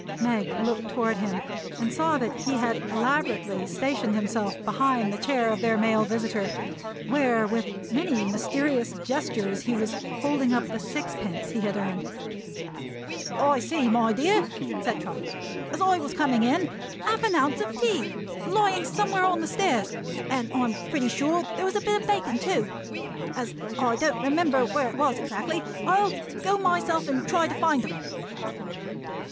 Meg looked toward him and saw that he had elaborately stationed himself behind the chair of their male visitor, where with many mysterious gestures he was holding up the six pence he had earned. "I see, my dear," said Trotty, "as I was coming in, half an ounce of tea lying somewhere on the stairs; and I'm pretty sure there was a bit of bacon too. As I don't remember where it was exactly, I'll go myself and try to find 'em."